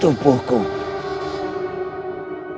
baik pak mani